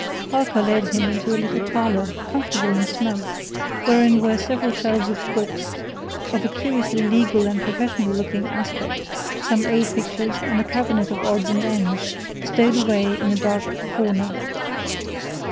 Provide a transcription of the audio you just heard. Harker led him into a little parlour, comfortable and snug, wherein were several shelves of books of a curiously legal and professional looking aspect, some old pictures, and a cabinet of odds and ends, stowed away in of dark corner.